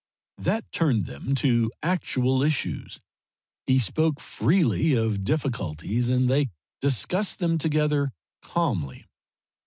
That turned them to actual issues; he spoke freely of difficulties, and they discussed them together calmly.